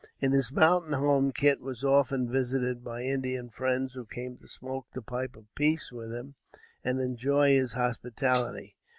In his mountain home Kit was often visited by Indian friends who came to smoke the pipe of peace with him and enjoy his hospitality.